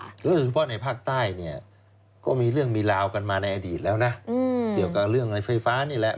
ก็คือในภาคใต้เนี่ยก็มีเรื่องมีราวกันมาในอดีตแล้วนะเกี่ยวกับเรื่องอะไรไฟฟ้านี่แหละ